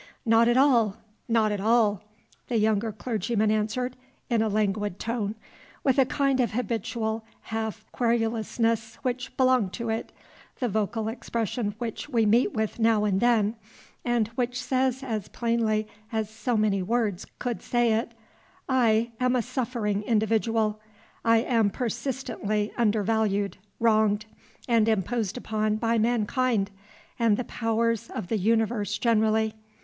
"Not at all, not at all," the younger clergyman answered, in a languid tone, with a kind of habitual half querulousness which belonged to it, the vocal expression which we meet with now and then, and which says as plainly as so many words could say it, "I am a suffering individual. I am persistently undervalued, wronged, and imposed upon by mankind and the powers of the universe generally.